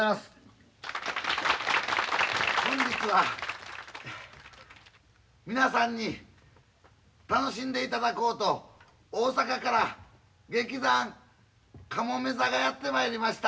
本日は皆さんに楽しんでいただこうと大阪から劇団かもめ座がやって参りました。